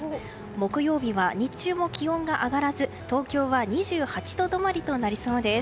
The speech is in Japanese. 木曜日は日中も気温が上がらず東京は２８度止まりとなりそうです。